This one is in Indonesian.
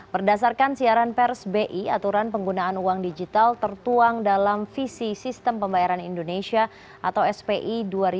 berdasarkan siaran pers bi aturan penggunaan uang digital tertuang dalam visi sistem pembayaran indonesia atau spi dua ribu dua puluh